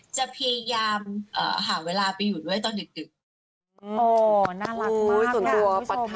จะพยายามหาเวลาไปอยู่ด้วยตอนดึก